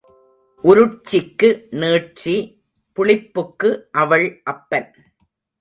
உருட்சிக்கு நீட்சி, புளிப்புக்கு அவள் அப்பன்.